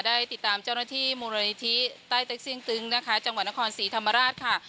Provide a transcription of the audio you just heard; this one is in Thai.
ได้ติดตามเจ้าหน้าที่มูลนิธิใต้เต็กซิ่งตึงนะคะจังหวัดนครศรีธรรมราชค่ะ